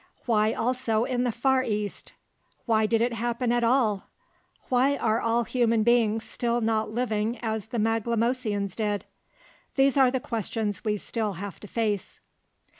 Why also in the Far East? Why did it happen at all? Why are all human beings not still living as the Maglemosians did? These are the questions we still have to face.